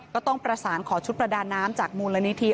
ก็ต้องประสานขอชุดประดาน้ำจากมูลนิธิ